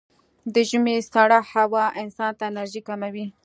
د ژمي سړه هوا انسان ته انرژي کموي.